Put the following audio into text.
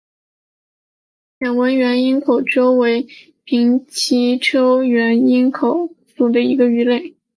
线纹原缨口鳅为平鳍鳅科原缨口鳅属的鱼类。